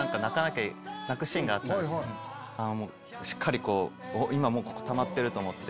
しっかりこう今もうここたまってると思って。